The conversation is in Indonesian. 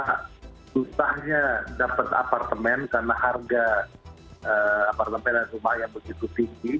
pertama susahnya dapat apartemen karena harga apartemen dan rumahnya begitu tinggi